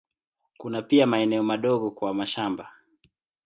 Kuna pia maeneo madogo kwa mashamba.